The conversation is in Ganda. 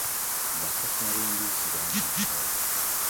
Bakasitoma be mbizzi bangi nnyo.